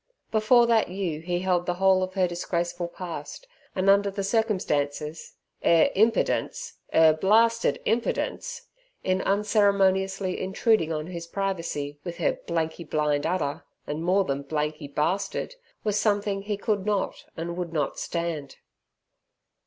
Before that ewe he held the whole of her disgraceful past, and under the circumstances, "'er imperdence 'er blarsted imperdence " in unceremoniously intruding on his privacy with her blanky blind udder, and more than blanky bastard, was something he could not and would not stand.